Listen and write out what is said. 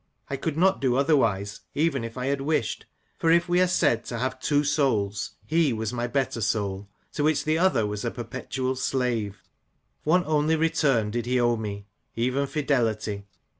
I could not do otherwise, even if I had wished ; for if we are said to have two souls, he was my better soul, to which the other was a perpetual slave. One only return did he owe me, even fidelity.